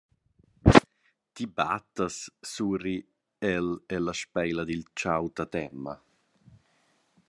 «Ti battas», surri el e speila il tgau dad Emma.